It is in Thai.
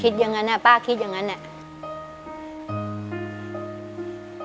คิดอย่างนั้นป้าคิดอย่างนั้น